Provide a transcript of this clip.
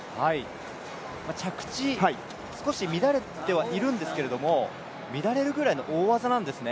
着地がちょっと乱れてはいるんですけど乱れるぐらいの大技なんですね。